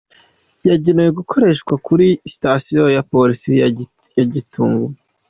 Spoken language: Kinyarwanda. Yagenewe gukoreshwa kuri sitasiyo ya polisi ya Kitgum.